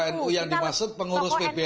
tokoh nu yang dimasuk pengurus pbnu atau siapa